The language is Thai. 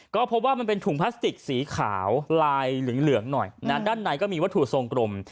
ก็พบว่ามันเป็นถุงพลาสติกสีขาวลายเหลืองหน่อยนะด้านในก็มีวัตถุทรงกลม